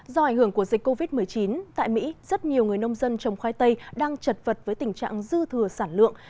do ảnh hưởng của dịch covid một mươi chín tại mỹ rất nhiều người nông dân trồng khoai tây đang chật vật với tình trạng dư thừa sản lượng